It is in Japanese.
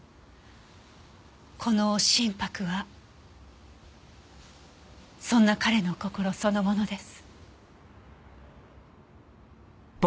この真柏はそんな彼の心そのものです。